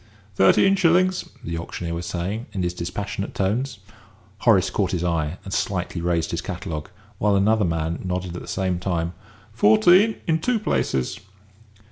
"Thirteen shillings," the auctioneer was saying, in his dispassionate tones. Horace caught his eye, and slightly raised his catalogue, while another man nodded at the same time. "Fourteen in two places."